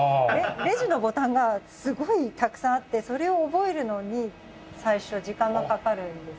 レジのボタンがすごいたくさんあってそれを覚えるのに最初時間がかかるんです。